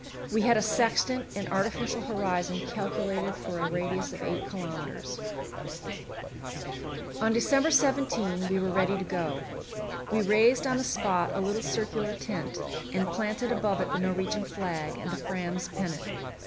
We had a sextant and artificial horizon calculated for a radius of 8 kilometres. On December 17 we were ready to go. We raised on the spot a little circular tent, and planted above it the Norwegian flag and the Fram's pennant.